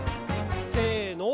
せの。